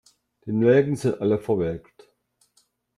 Die Nelken sind alle verwelkt.